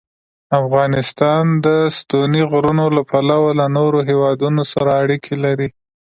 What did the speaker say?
افغانستان د ستوني غرونه له پلوه له نورو هېوادونو سره اړیکې لري.